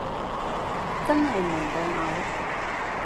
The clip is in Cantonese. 真係悶到嘔